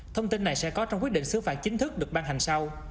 thông tin này sẽ có trong quyết định xứ phạt chính thức được ban hành sau